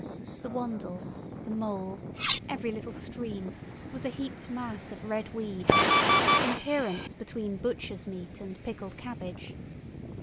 The Wandle, the Mole, every little stream, was a heaped mass of red weed, in appearance between butcher's meat and pickled cabbage.